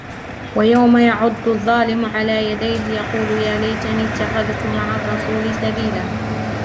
وَيَوْمَ يَعَضُّ الظَّالِمُ عَلَى يَدَيْهِ يَقُولُ يَا لَيْتَنِي اتَّخَذْتُ مَعَ الرَّسُولِ سَبِيلًا